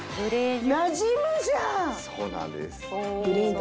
そうなんです。